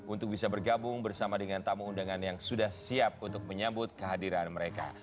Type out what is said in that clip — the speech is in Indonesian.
untuk bisa bergabung bersama dengan tamu undangan yang sudah siap untuk menyambut kehadiran mereka